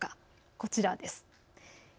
こちらです。